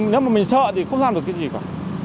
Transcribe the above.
nếu mà mình sợ thì không làm được cái gì cả